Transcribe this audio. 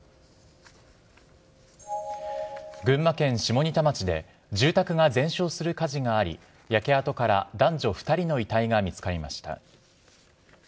群馬県下仁田町で、住宅が全焼する火事があり、焼け跡から男女２人の遺体が見つかりました。